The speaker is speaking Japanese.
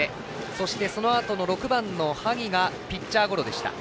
そして、そのあとの６番の萩がピッチャーゴロでした。